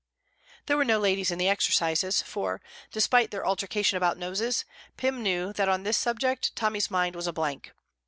There were no ladies in the exercises, for, despite their altercation about noses, Pym knew that on this subject Tommy's mind was a blank.